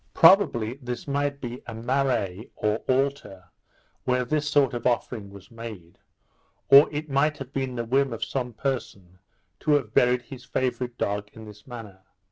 Probably this might be a Marai or altar, where this sort of offering was made; or it might have been the whim of some person to have buried his favourite dog in this manner.